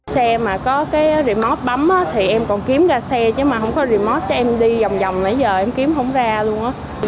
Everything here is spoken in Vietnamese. xe mà có cái remote bấm thì em còn kiếm ra xe chứ mà không có remote cho em đi vòng vòng nãy giờ em kiếm không ra luôn á